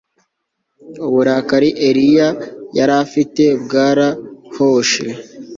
Uburakari Eliya yari afite bwarahoshe